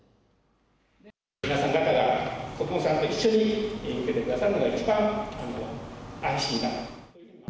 皆さん方が、お子さんと一緒に受けてくださるのが一番安心かと。